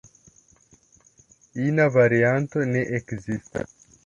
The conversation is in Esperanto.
Ina varianto ne ekzistas.